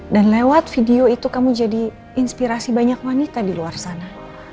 dan lewat video itu kamu jadi inspirasi banyak wanita di luar sana